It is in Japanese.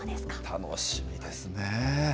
楽しみですね。